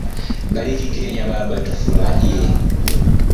Bariki kenya baba tufurahie